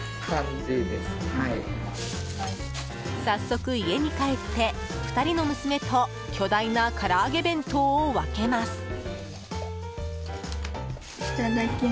早速、家に帰って２人の娘と巨大な唐揚げ弁当を分けます。